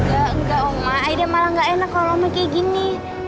enggak enggak oma aida malah nggak enak kalau oma kayak gini